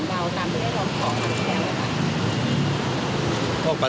ตามไม่ได้ร่วมของในแค่ไหนครับ